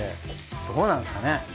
どうなんですかね？